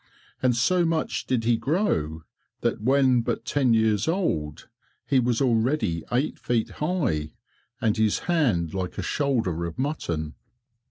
And so much did he grow that when but ten years old he was already eight feet high, and his hand like a shoulder of mutton.